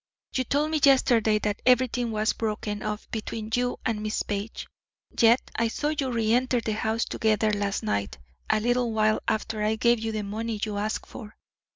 "You told me yesterday that everything was broken off between you and Miss Page. Yet I saw you reenter the house together last night a little while after I gave you the money you asked for."